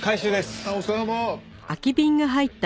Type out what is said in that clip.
ああお疲れさま！